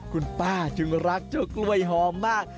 คุณป้าจึงรักเจ้ากล้วยหอมมาก